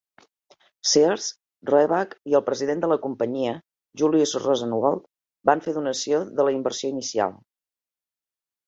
Sears, Roebuck i el president de la companyia, Julius Rosenwald, van fer donació de la inversió inicial.